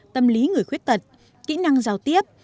tâm lý người khuyết tật kỹ năng giao tiếp